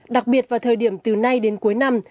đặc biệt vào thời điểm từ nay đến cuối năm